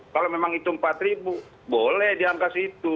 kalau memang itu rp empat boleh diangkat situ